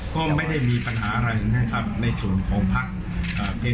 ก็ไม่ได้มีปัญหาอะไรในส่วนของภักดิ์